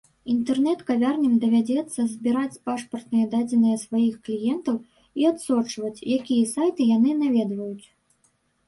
Інтэрнэт-кавярням давядзецца збіраць пашпартныя дадзеныя сваіх кліентаў і адсочваць, якія сайты яны наведваюць.